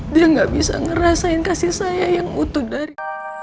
dia gak bisa ngerasain kasih saya yang utuh dari